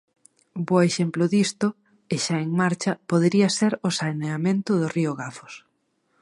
Bo exemplo disto, e xa en marcha, podería ser o saneamento do río Gafos.